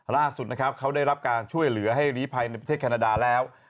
ล่าสุดนะครับเขาได้รับการช่วยเหลือให้ลีภัยในประเทศแคนาดาแล้ว